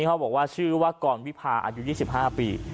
เขาบอกว่าชื่อว่ากรวิพาอายุ๒๕ปี